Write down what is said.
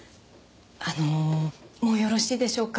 あのもうよろしいでしょうか？